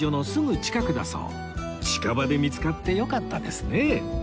近場で見つかってよかったですね